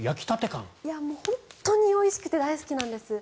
本当においしくて大好きなんです。